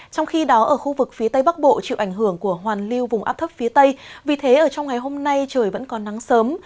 trong khi đó ở khu vực phía tây bắc bộ chịu ảnh hưởng của hoàn lưu vùng áp thấp phía tây vì thế ở trong ngày hôm nay trời vẫn còn nắng sớm